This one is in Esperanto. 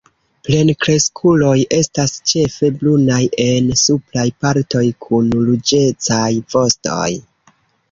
Plenkreskuloj estas ĉefe brunaj en supraj partoj, kun ruĝecaj vostoj.